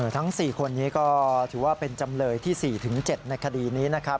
ทั้ง๔คนนี้ก็ถือว่าเป็นจำเลยที่๔๗ในคดีนี้นะครับ